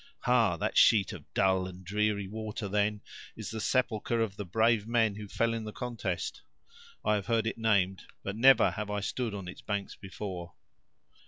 "Ha! that sheet of dull and dreary water, then, is the sepulcher of the brave men who fell in the contest. I have heard it named, but never have I stood on its banks before."